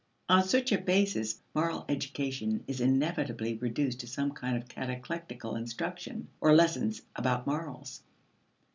On such a basis, moral education is inevitably reduced to some kind of catechetical instruction, or lessons about morals.